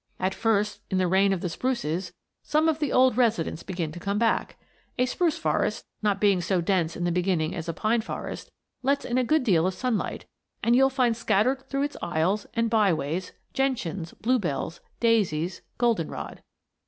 At first, in the reign of the spruces, some of the old residents begin to come back. A spruce forest, not being so dense in the beginning as a pine forest, lets in a good deal of sunlight, and you'll find scattered through its aisles and byways gentians, bluebells, daisies, goldenrod.